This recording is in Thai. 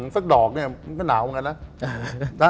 สักดอกเนี่ยมันก็หนาวเหมือนกันนะ